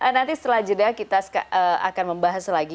nanti setelah jeda kita akan membahas lagi